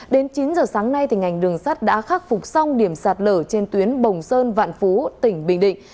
đến chín giờ sáng nay ngành đường sắt đã khắc phục xong điểm sạt lở trên tuyến bồng sơn vạn phú tỉnh bình định